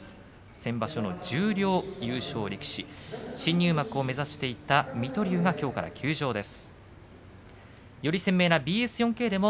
先場所の十両優勝力士新入幕を目指していた水戸龍がきょうから休場です。